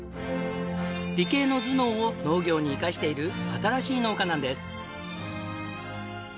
理系の頭脳を農業に生かしている新しい農家なんです。